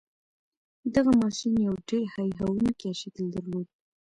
دغه ماشين يو ډېر هیښوونکی شکل درلود.